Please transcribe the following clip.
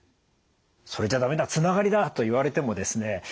「それじゃ駄目だつながりだ」と言われてもですね